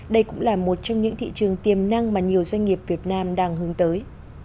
đây cũng là một trong những thị trường tiềm năng mà nhiều doanh nghiệp việt nam đang hướng tới